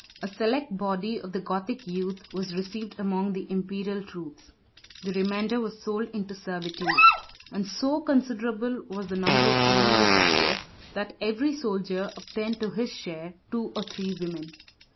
A select body of the Gothic youth was received among the Imperial troops; the remainder was sold into servitude; and so considerable was the number of female captives that every soldier obtained to his share two or three women.